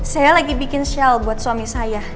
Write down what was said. saya lagi bikin shell buat suami saya